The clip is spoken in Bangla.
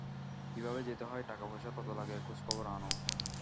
কীভাবে যেতে হয়, টাকাপয়সা কত লাগে খোঁজখবর আন।